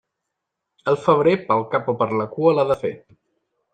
El febrer pel cap o per la cua l'ha de fer.